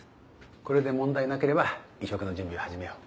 これで問題なければ移植の準備を始めよう。